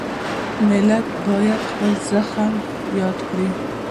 ملت باید خپل زخم یاد کړي.